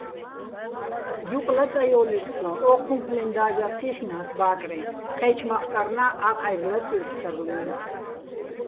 ჲუყ ლაწაჲო́ლირ სოჼ, ო́ჴუმფლეჼ და́ჟარ ჴი́ჰ̦ნას ბა́კრეჼ; ჴე́ჩო̆ მახკარნა́ აყაჲრი̆ ლაწირ ფსარლუჲნი̆.